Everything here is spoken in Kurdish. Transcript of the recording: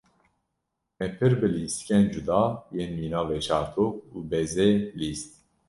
Me pir bi lîstikên cuda yên mîna veşartok û bezê lîst.